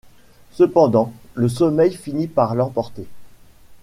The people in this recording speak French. Cependant le sommeil finit par l’emporter.